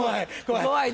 怖い。